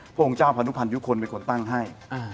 พระองค์เจ้าพนุพันต์ลุยุคคลไฟเงินคนเป็นคนตั้งให้